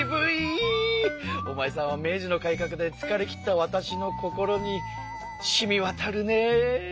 おまえさんは明治の改革でつかれ切ったわたしの心にしみわたるね。